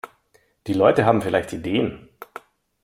Die Leute haben vielleicht Ideen!